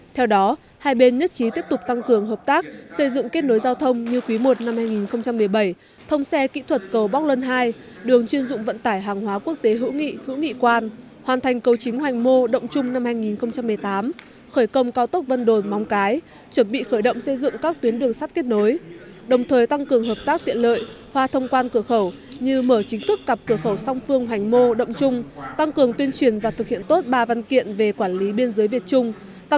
theo đó hai bên nhất trí tiếp tục tăng cường hợp tác xây dựng kết nối giao thông như quý i năm hai nghìn một mươi bảy thông xe kỹ thuật cầu bóc lân ii đường chuyên dụng vận tải hàng hóa quốc tế hữu nghị hữu nghị quan hoàn thành cầu chính hoành mô động trung năm hai nghìn một mươi tám khởi công cao tốc vân đồn móng cái chuẩn bị khởi động xây dựng các tuyến đường sắt kết nối đồng thời tăng cường hợp tác tiện lợi hoa thông quan cửa khẩu như mở chính thức cặp cửa khẩu song phương hoành mô động trung tăng cường tuyên truyền và thực hiện t